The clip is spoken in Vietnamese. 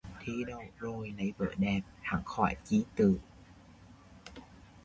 Thi đậu rồi lấy vợ đẹp, hắn khoái chí tử